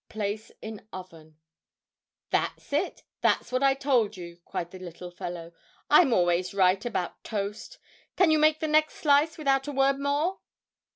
Place in oven. "That's it! that's what I told you," cried the little fellow. "I'm always right about toast. Can you make the next slice without a word more?"